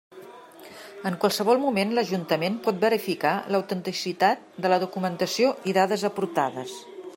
En qualsevol moment l'Ajuntament pot verificar l'autenticitat de la documentació i dades aportades.